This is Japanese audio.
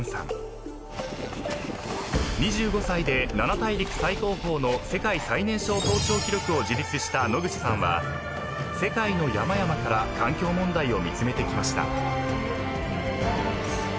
［２５歳で七大陸最高峰の世界最年少登頂記録を樹立した野口さんは世界の山々から環境問題を見つめてきました］